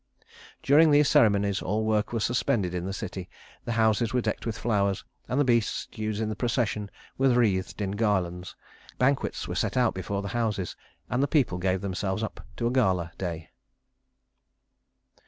During these ceremonies all work was suspended in the city, the houses were decked with flowers, and the beasts used in the procession were wreathed in garlands; banquets were set out before the houses, and the people gave themselves up to a gala day.